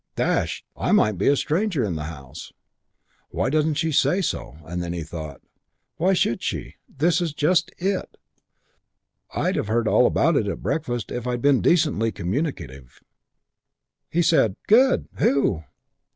Dash it, I might be a stranger in the house. Why doesn't she say who?" And then he thought, "Why should she? This is just it. I'd have heard all about it at breakfast if I'd been decently communicative." He said, "Good. Who?"